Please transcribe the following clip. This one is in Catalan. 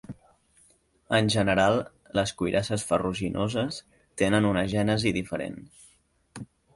En general, les cuirasses ferruginoses tenen una gènesi diferent.